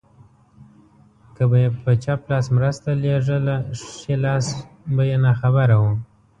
که به يې په چپ لاس مرسته لېږله ښی لاس به يې ناخبره و.